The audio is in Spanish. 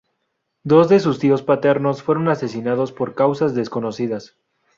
Dos de sus tíos paternos fueron asesinados por causas desconocidas.